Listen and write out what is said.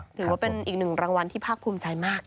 ถือว่าเป็นอีกหนึ่งรางวัลที่ภาคภูมิใจมาก